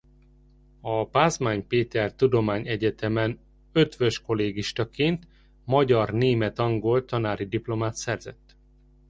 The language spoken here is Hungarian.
A Pázmány Péter Tudományegyetemen Eötvös-kollégistaként magyar-német-angol tanári diplomát szerzett.